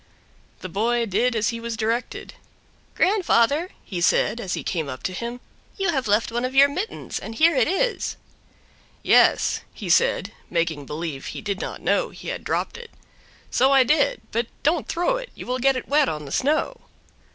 The boy did as he was directed. "Grandfather," he said, as he came up to him, "you have left one of your mittens, and here it is." "Yes," he said, making believe he did not know he had dropped it, "so I did; but don't throw it, you will get it wet on the snow."